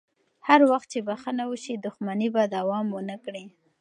هر وخت چې بخښنه وشي، دښمني به دوام ونه کړي.